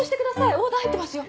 オーダー入ってますよ。